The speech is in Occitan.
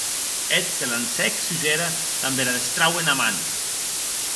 Eth se lancèc sus era damb era destrau ena man.